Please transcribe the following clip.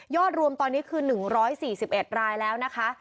ยอดรวมตอนนี้คือหนึ่งร้อยสี่สิบเอ็ดรายแล้วนะคะ